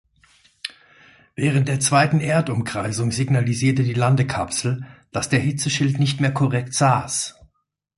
Während der zweiten Erdumkreisung signalisierte die Landekapsel, dass der Hitzeschild nicht mehr korrekt saß.